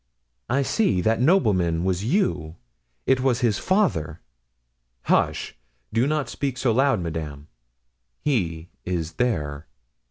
I see! That nobleman was you; it was his father!" "Hush! do not speak so loud, madame; he is there."